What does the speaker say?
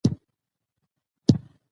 هرات د افغانستان د زرغونتیا نښه ده.